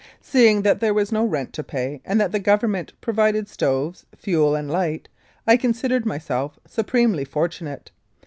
Seeing that there was no rent to pay, and that the Government provided stoves, fuel and light, I considered myself supremely fortunate.